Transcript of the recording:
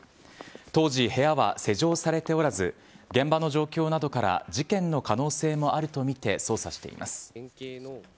当時、部屋は施錠されておらず、現場の状況などから事件の可能性もあると見て捜査しています。